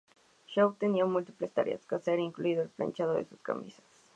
Shaw tenía múltiples tareas que hacer, incluido el planchado de sus camisas.